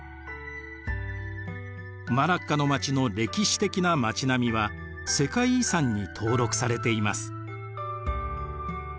マラッカの町の歴史的な町並みは世界遺産に登録されています。